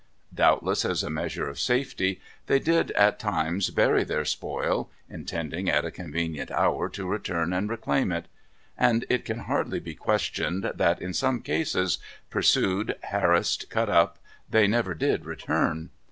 Doubtless, as a measure of safety, they did at times bury their spoil, intending at a convenient hour to return and reclaim it. And it can hardly be questioned that, in some cases, pursued, harassed, cut up, they never did return.